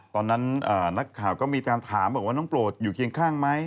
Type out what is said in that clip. ตอนนั้นนักข่าวก็มีการถามบอกว่าน้องโปรดอยู่เคียงข้างไหม